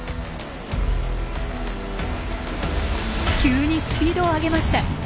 急にスピードを上げました！